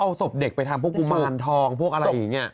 เอาศพเด็กไปทำพวกกุมารทองพวกอะไรอย่างนี้